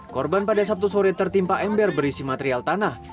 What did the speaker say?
korban pada sabtu sore tertimpa ember berisi material tanah